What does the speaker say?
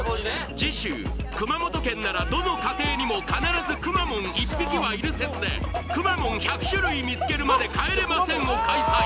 次週熊本県ならどの家庭にも必ずくまモン１匹はいる説でくまモン１００種類見つけるまで帰れませんを開催